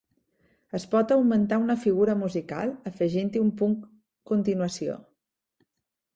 Es pot augmentar una figura musical afegint-hi un punt continuació.